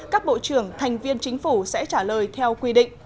các bộ trưởng thành viên chính phủ sẽ trả lời theo quy định